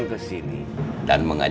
bukan cuma dongeng